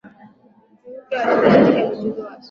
Utunukizi wa Alama katika mchezo wa soka